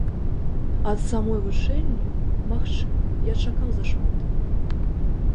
Ад самой вучэльні, магчыма, я чакаў зашмат.